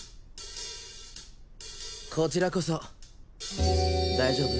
こちらこそ大丈夫？